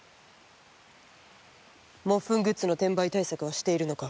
もっふんグッズの転売対策はしているのか？